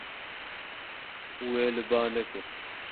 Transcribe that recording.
Wê li ba nekir.